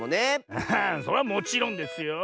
アハそれはもちろんですよ。